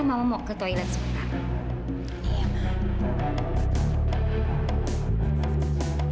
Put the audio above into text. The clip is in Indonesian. mau mau ke toilet sebentar